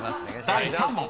［第３問］